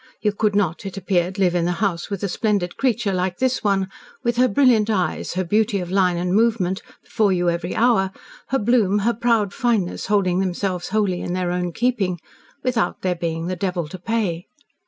You could not, it appeared, live in the house with a splendid creature like this one with her brilliant eyes, her beauty of line and movement before you every hour, her bloom, her proud fineness holding themselves wholly in their own keeping without there being the devil to pay.